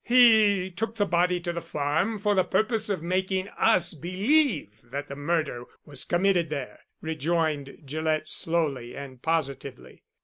"He took the body to the farm for the purpose of making us believe that the murder was committed there," rejoined Gillett slowly and positively.